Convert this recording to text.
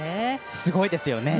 すごいですよね。